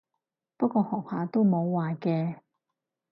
不過學下都冇壞嘅